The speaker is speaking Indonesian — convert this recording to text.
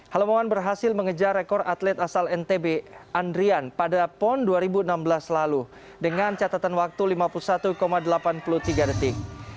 halomongan berhasil mengejar rekor atlet asal ntb andrian pada pon dua ribu enam belas lalu dengan catatan waktu lima puluh satu delapan puluh tiga detik